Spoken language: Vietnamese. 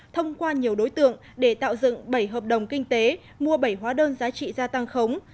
thông qua nhiều đối tượng để tạo dựng bảy hợp đồng kinh tế mua bảy hóa đơn giá trị gia tăng khống